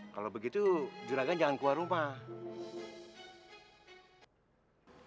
kalau begitu juragan jangan keluar rumah